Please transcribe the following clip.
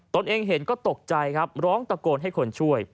ตนเองเห็นก็ตกใจครับร้องตะโกนให้คนช่วย